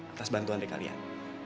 atas bantuan dari kalian